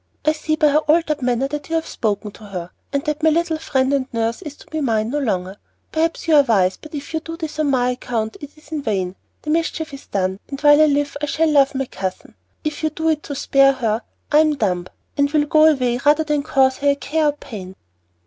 I see by her altered manner that you have spoken to her, and that my little friend and nurse is to be mine no longer. Perhaps you are wise, but if you do this on my account, it is in vain the mischief is done, and while I live I shall love my cousin. If you do it to spare her, I am dumb, and will go away rather than cause her a care or pain."